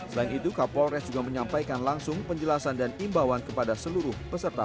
selain itu kapolres juga menyampaikan langsung penjelasan dan imbauan kepada seluruh peserta